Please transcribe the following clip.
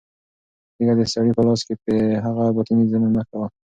تیږه د سړي په لاس کې د هغه د باطني ظلم نښه وه.